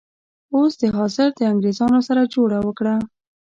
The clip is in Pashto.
اوس حاضر د انګریزانو سره جوړه وکړه.